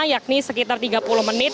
yakni sekitar tiga puluh menit